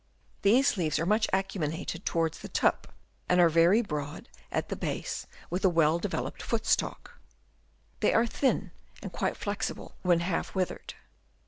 These leaves are much acumin ated towards the tip, and are very broad at Chap. II. THEIR INTELLIGENCE. 69 the base with a well developed foot stalk. They are thin and quite flexible when half withered.